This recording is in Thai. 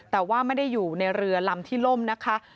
แต่ว่าไม่ได้อยู่ในเรือลำที่ล่มนะคะ